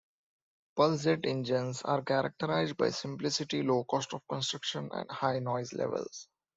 Pulsejet engines are characterized by simplicity, low cost of construction, and high noise levels.